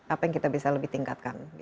apa yang kita bisa lebih tingkatkan